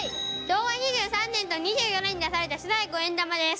昭和２３年と２４年に出された初代５円玉です。